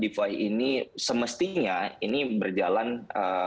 defi ini semestinya ini berjalan ee